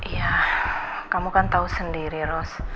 ya kamu kan tahu sendiri ros